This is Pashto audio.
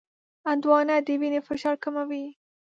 هندوانه د وینې فشار کموي.